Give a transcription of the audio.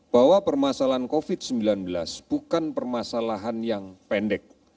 bahwa permasalahan covid sembilan belas bukan permasalahan yang pendek